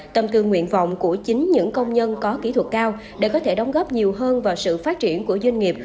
tâm tư nguyện vọng của chính những công nhân có kỹ thuật cao để có thể đóng góp nhiều hơn vào sự phát triển của doanh nghiệp